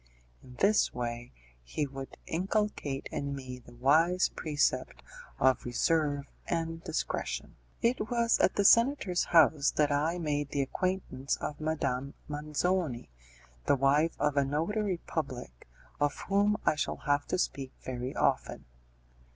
In this way he would inculcate in me the wise precept of reserve and discretion. It was at the senator's house that I made the acquaintance of Madame Manzoni, the wife of a notary public, of whom I shall have to speak very often.